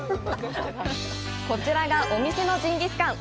こちらがお店のジンギスカン。